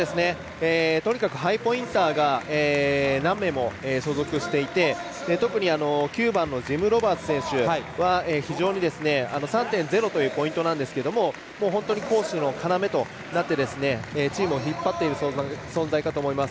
ハイポインターが何名も所属していて、特に９番ジム・ロバーツ選手は非常に３．０というポイントなんですけども本当に攻守の要となってチームを引っ張っている存在かと思います。